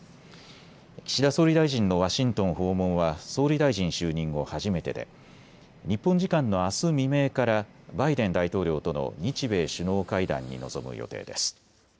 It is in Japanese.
岸田総理大臣のワシントン訪問は総理大臣就任後初めてで日本時間のあす未明からバイデン大統領との日米首脳会談に臨む予定です。